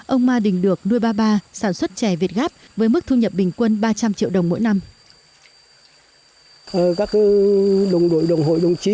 ông mai viết hồng làm giàu từ nuôi lợn rừng